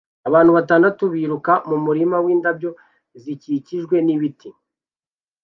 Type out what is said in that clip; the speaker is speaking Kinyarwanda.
Abana batandatu biruka mumurima windabyo zikikijwe nibiti